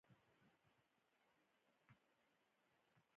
هره ژبه خپل ځانګړی خوند لري.